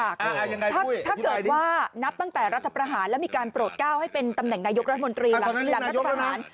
ถ้าเกิดว่านับตั้งแต่รัฐประหารแล้วมีการโปรดก้าวให้เป็นตำแหน่งนายกรัฐมนตรีหลังรัฐประหาร